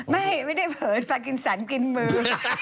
ไม่ได้เผินปลากินสันกินมือ